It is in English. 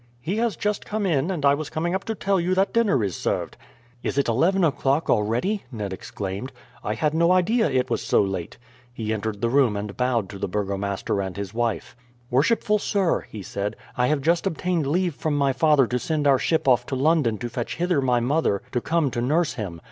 "He has just come in, and I was coming up to tell you that dinner is served." "Is it eleven o'clock already?" Ned exclaimed. "I had no idea it was so late." He entered the room and bowed to the burgomaster and his wife. "Worshipful sir," he said, "I have just obtained leave from my father to send our ship off to London to fetch hither my mother to come to nurse him.